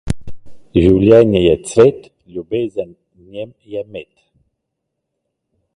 Življenje je cvet, ljubezen v njem je med.